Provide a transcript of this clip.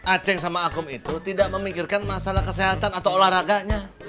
aceh sama akum itu tidak memikirkan masalah kesehatan atau olahraganya